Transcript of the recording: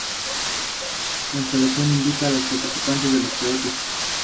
La instalación invita a la participación de los peatones.